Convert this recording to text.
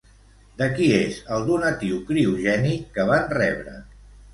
De qui és el donatiu criogènic que van rebre?